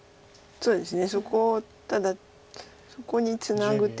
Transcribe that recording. そうですね。